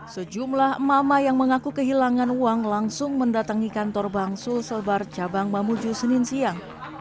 sejumlah emak emak yang mengaku kehilangan uang langsung mendatangi kantor bang sul selbar cabang mamuju senin siang